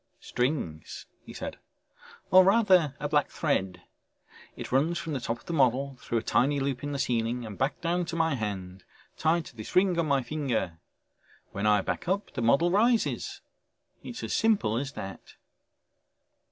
"Strings!" he said. "Or rather a black thread. It runs from the top of the model, through a tiny loop in the ceiling, and back down to my hand tied to this ring on my finger. When I back up the model rises. It's as simple as that."